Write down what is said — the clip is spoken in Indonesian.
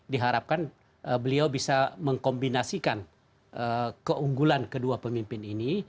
diharapkan beliau bisa mengkombinasikan keunggulan kedua pemimpin ini